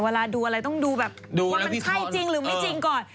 เวลาดูอะไรต้องดูแบบว่ามันใช่จริงหรือไม่จริงก่อน